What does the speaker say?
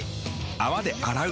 泡で洗う。